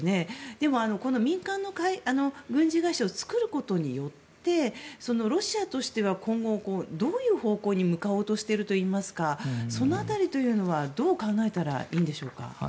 でも、民間軍事会社を作ることによってロシアとしては今後、どういう方向に向かおうとしているといいますかその辺りはどう考えたらいいんでしょうか。